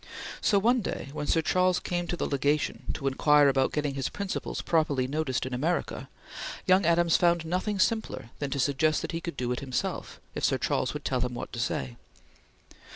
So, one day when Sir Charles came to the Legation to inquire about getting his "Principles" properly noticed in America, young Adams found nothing simpler than to suggest that he could do it himself if Sir Charles would tell him what to say.